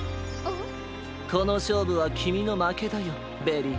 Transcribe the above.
このしょうぶはきみのまけだよベリー。